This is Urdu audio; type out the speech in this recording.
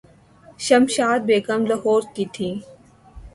شمشاد بیگم لاہورکی تھیں۔